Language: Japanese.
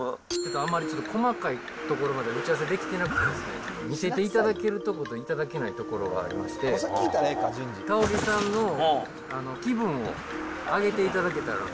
あんまりちょっと細かいところまで打ち合わせできてなくてですね、見せていただけるとこと、いただけないとこがありまして、かおりさんの気分を上げていただけたらと。